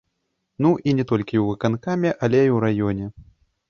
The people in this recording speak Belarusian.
Ну, і не толькі ў выканкаме, але і ў раёне.